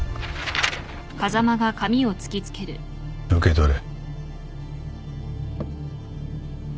受け取れ。